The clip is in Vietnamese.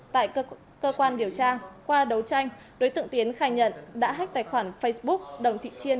tại cơ quan điều tra qua đấu tranh đối tượng tiến khai nhận đã hách tài khoản facebook đồng thị chiên